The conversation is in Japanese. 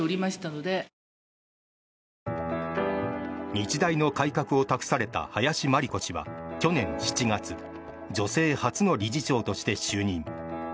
日大の改革を託された林真理子氏は去年７月女性初の理事長として就任。